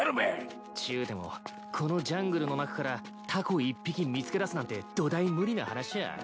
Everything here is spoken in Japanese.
ちゅうてもこのジャングルの中からタコ一匹見つけ出すなんてどだい無理な話じゃ。